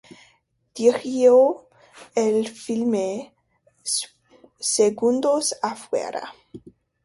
Dirigió el filme "¡Segundos afuera!